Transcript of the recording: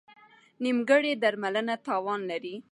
نیمګړې درملنه تاوان لري.